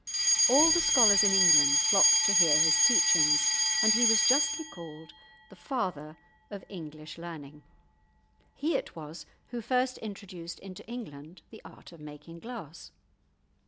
All the scholars in England flocked to hear his teachings, and he was justly called "the father of English learning." He it was who first introduced into England the art of making glass.